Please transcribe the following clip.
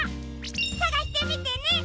さがしてみてね！